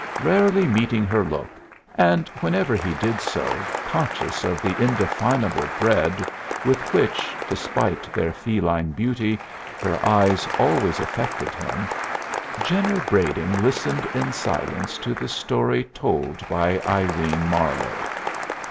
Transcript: Rarely meeting her look, and whenever he did so conscious of the indefinable dread with which, despite their feline beauty, her eyes always affected him, Jenner Brading listened in silence to the story told by Irene Marlowe.